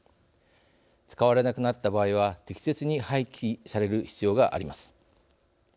使われなくなった場合は適切に廃棄される必要があります。